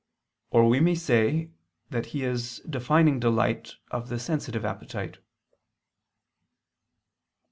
Or we may say that he is defining delight of the sensitive appetite.